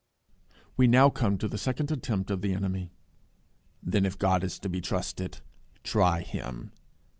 We now come to the second attempt of the Enemy. "Then if God is to be so trusted, try him.